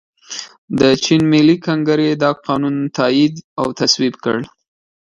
د چین ملي کنګرې دا قانون تائید او تصویب کړ.